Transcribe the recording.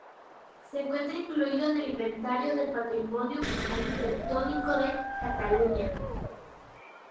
Se encuentra incluido en el Inventario del Patrimonio Arquitectónico de Cataluña.